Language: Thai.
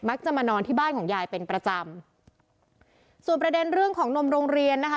จะมานอนที่บ้านของยายเป็นประจำส่วนประเด็นเรื่องของนมโรงเรียนนะคะ